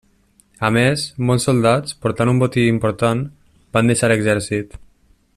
A més, molts soldats portant un botí important, van deixar l'exèrcit.